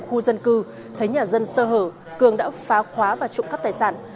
khu dân cư thấy nhà dân sơ hở cường đã phá khóa và trộm cắp tài sản